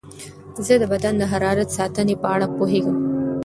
زه د بدن د حرارت ساتنې په اړه پوهېږم.